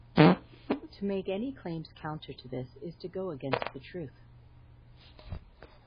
To make any claims counter to this is to go against the truth.